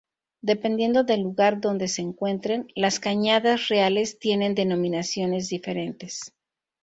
Dependiendo del lugar donde se encuentren, las cañadas reales tienen denominaciones diferentes.